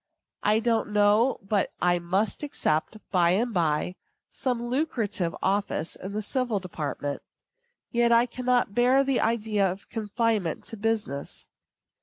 I don't know but I must accept, by and by, some lucrative office in the civil department; yet I cannot bear the idea of confinement to business.